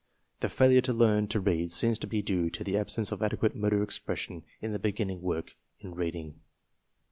The f ailure to learn to read seems to be due to the absence of adequate motor expression in the beginning work in reading.